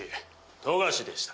冨樫でした。